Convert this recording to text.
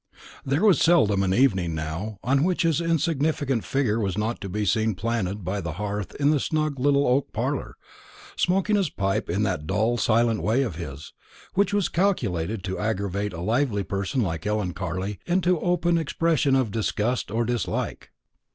There was seldom an evening now on which his insignificant figure was not to be seen planted by the hearth in the snug little oak parlour, smoking his pipe in that dull silent way of his, which was calculated to aggravate a lively person like Ellen Carley into some open expression of disgust or dislike.